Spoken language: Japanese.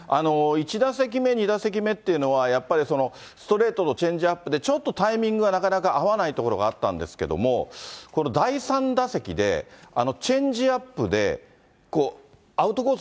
１打席目、２打席目というのは、やっぱりストレートとチェンジアップで、ちょっとタイミングがなかなか合わないところがあったんですけれども、第３打席で、チェンジアップでアウトコース